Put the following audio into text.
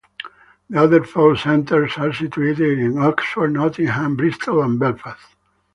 The other four centres are situated in Oxford, Nottingham, Bristol and Belfast.